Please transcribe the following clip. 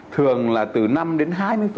thường là từ năm đến hai mươi